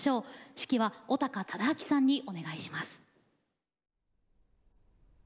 指揮は尾高忠明さんにお願いします。